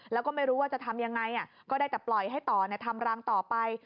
แล้วก็ไม่รู้ว่าจะทำยังไงก็ได้แต่ปล่อยให้ต่อทำรังต่อไป